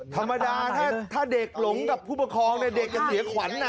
ธรรมดาถ้าเด็กหลงกับผู้ปกครองเนี่ยเด็กจะเสียขวัญ